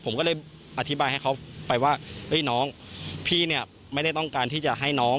ผมก็เลยอธิบายให้เขาไปว่าน้องพี่เนี่ยไม่ได้ต้องการที่จะให้น้อง